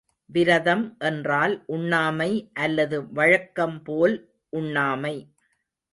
விரதம் என்றால் உண்ணாமை அல்லது வழக்கம் போல் உண்ணாமை.